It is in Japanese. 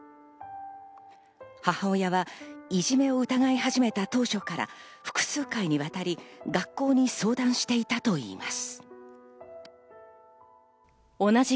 母親はいじめを疑い始めた当初から複数回にわたり学校に相談していたといいます。